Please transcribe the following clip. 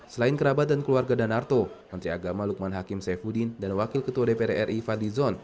selain kerabat dan keluarga danarto menteri agama lukman hakim saifuddin dan wakil ketua dpr ri fadli zon